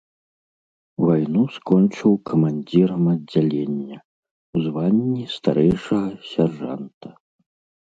Вайну скончыў камандзірам аддзялення, у званні старэйшага сяржанта.